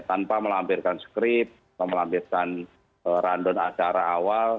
tanpa melampirkan skrip melampirkan random acara awal